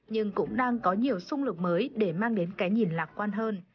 nhưng cũng đang có nhiều sung lực mới để mang đến cái nhìn lạc quan hơn